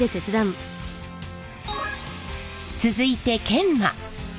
続いて研磨。